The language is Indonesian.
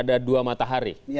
ada dua matahari